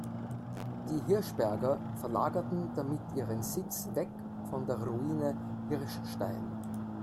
Die Hirschberger verlagerten damit ihren Sitz weg von der Ruine Hirschstein.